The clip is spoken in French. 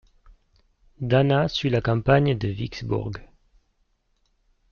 Dana suit la campagne de Vicksburg.